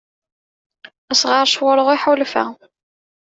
Asɣar s wurɣu iḥulfa.